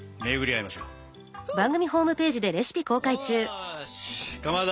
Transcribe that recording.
よしかまど